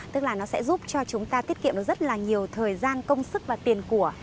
tức là nó sẽ giúp cho chúng ta tiết kiệm rất nhiều thời gian công sức và tiền của